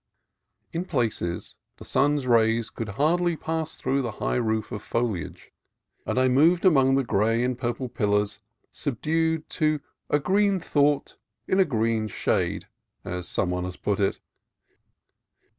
In places the sun's rays could hardly pass through the high roof of foliage, and I moved among the gray and purple pillars subdued to " a green thought in a green shade," as some one has put it.